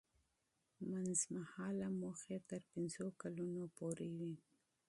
منځمهاله موخې تر پنځو کلونو پورې وي.